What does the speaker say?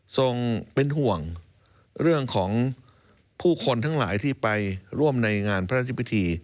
ส่งเป็นห่วงเรื่องของผู้คนทั้งหลายที่ไปร่วมในงานพระราชพิธี